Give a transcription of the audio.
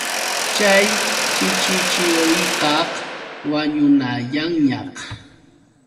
Chay chirichirikaq wañunayanñaq.